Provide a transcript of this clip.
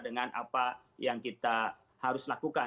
dengan apa yang kita harus lakukan